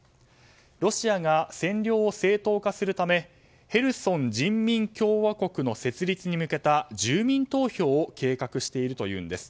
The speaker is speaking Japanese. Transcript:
ロシアが占領を正当化するためヘルソン人民共和国の設立に向けた住民投票を計画しているというんです。